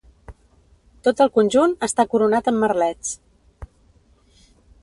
Tot el conjunt està coronat amb merlets.